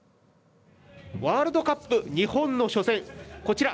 ワールドカップ日本の初戦こちら。